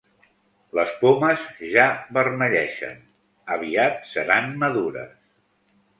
Les pomes ja vermellegen: aviat seran madures.